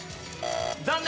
残念！